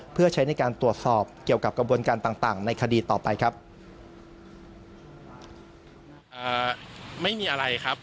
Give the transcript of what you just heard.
เพื่อใช้ในการตรวจสอบเกี่ยวกับกระบวนการต่างในคดีต่อไปครับ